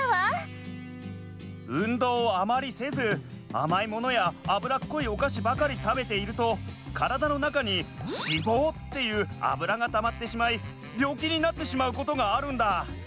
運動をあまりせずあまいものやあぶらっこいおかしばかりたべているとカラダのなかに脂肪っていうアブラがたまってしまいびょうきになってしまうことがあるんだ。